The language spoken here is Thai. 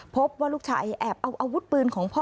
พบว่าลูกชายแอบเอาอาวุธปืนของพ่อ